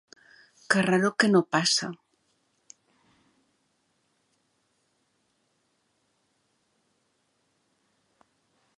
Carreró que no passa.